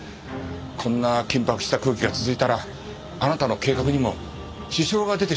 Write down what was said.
こんな緊迫した空気が続いたらあなたの計画にも支障が出てしまう。